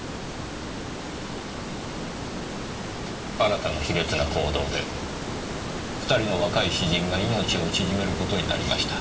あなたの卑劣な行動で二人の若い詩人が命を縮めることになりました。